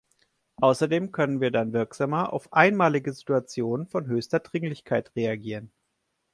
Außerdem könnten wir dann wirksamer auf einmalige Situationen von höchster Dringlichkeit reagieren.